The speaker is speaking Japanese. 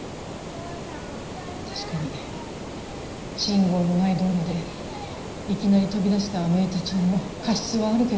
確かに信号のない道路でいきなり飛び出した姪たちにも過失はあるけど。